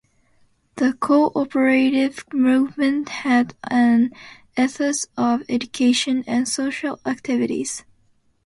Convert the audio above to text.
The Co-Operative movement had an ethos of Education and Social Activities.